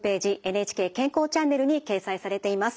「ＮＨＫ健康チャンネル」に掲載されています。